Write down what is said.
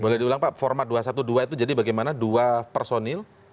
boleh diulang pak format dua ratus dua belas itu jadi bagaimana dua personil